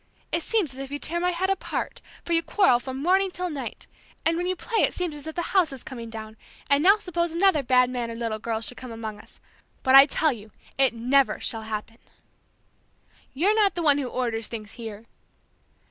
It seems as if you tear my head apart, for you quarrel from morning till night; and when you play it seems as if the house is coming down; and now suppose another bad mannered little girl should come among us! But I tell you it never shall happen!" "You're not the one who orders things here!"